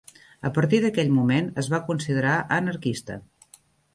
A partir d'aquell moment, es va considerar anarquista.